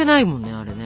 あれね。